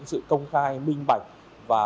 sự công khai minh bạch và